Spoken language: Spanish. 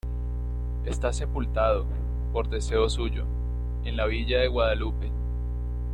Está sepultado, por deseo suyo, en la Villa de Guadalupe.